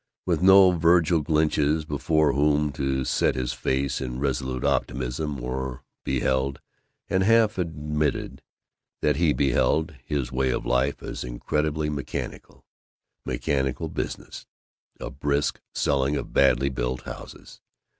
With no Vergil Gunches before whom to set his face in resolute optimism, he beheld, and half admitted that he beheld, his way of life as incredibly mechanical. Mechanical business a brisk selling of badly built houses.